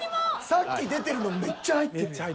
さっき出てるのめっちゃ入ってるやん。